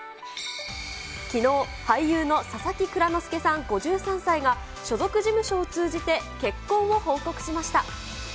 きのう、俳優の佐々木蔵之介さん５３歳が、所属事務所を通じて結婚を報告しました。